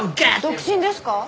独身ですか？